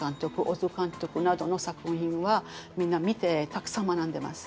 小津監督などの作品はみんな見てたくさん学んでます。